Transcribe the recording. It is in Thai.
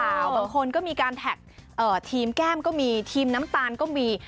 บางคนก็มีการแท็กทีมแก้มก็มีทีมน้ำตาลก็มี